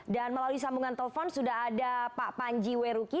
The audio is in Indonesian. dan melalui sambungan telepon sudah ada pak panji weruki